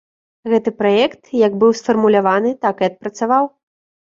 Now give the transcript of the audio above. Гэты праект, як быў сфармуляваны, так і адпрацаваў.